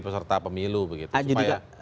peserta pemilu begitu supaya jadi kak